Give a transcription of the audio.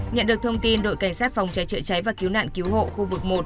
nhận được thông tin đội cảnh sát phòng trái trợ trái và cứu nạn cứu hộ khu vực một